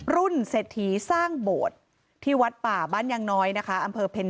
เศรษฐีสร้างโบสถ์ที่วัดป่าบ้านยังน้อยนะคะอำเภอเพ็ญ